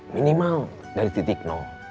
minimal dari titik nol